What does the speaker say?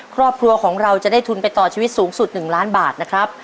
ครอบครัวของเราจะได้ทุนไปต่อชีวิตสูงสุด๑ล้านบาทนะครับ